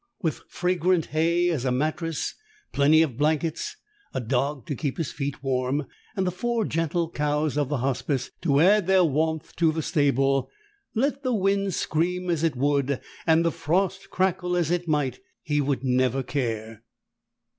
With fragrant hay as a mattress, plenty of blankets, a dog to keep his feet warm, and the four gentle cows of the Hospice to add their warmth to the stable, let the wind scream as it would and the frost crackle as it might. He would never care.